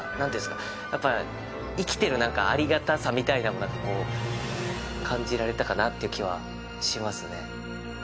やっぱり生きてるありがたさみたいなのも感じられたかなという気はしますね。